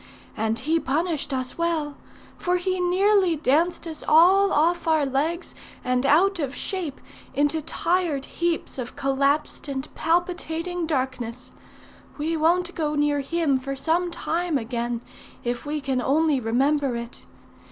And he punished us well; for he nearly danced us all off our legs and out of shape into tired heaps of collapsed and palpitating darkness. We won't go near him for some time again, if we can only remember it.